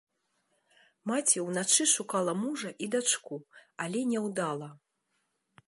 Маці ўначы шукала мужа і дачку, але няўдала.